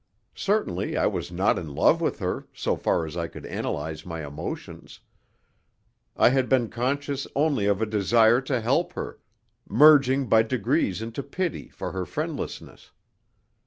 Certainly I was not in love with her, so far as I could analyze my emotions. I had been conscious only of a desire to help her, merging by degrees into pity for her friendlessness.